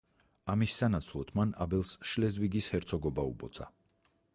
ამის სანაცვლოდ, მან აბელს შლეზვიგის ჰერცოგობა უბოძა.